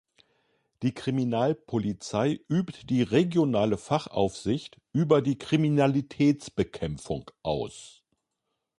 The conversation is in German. Die Kriminalpolizei übt die regionale Fachaufsicht über die Kriminalitätsbekämpfung aus.